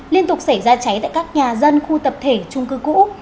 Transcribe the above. liên tục xảy ra cháy tại các nhà dân khu tập thể trung cư cũ